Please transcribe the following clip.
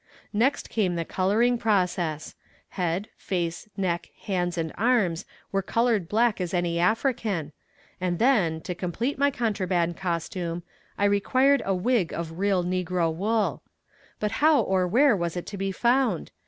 Next came the coloring process head, face, neck, hands and arms were colored black as any African, and then, to complete my contraband costume, I required a wig of real negro wool. But how or where was it to be found?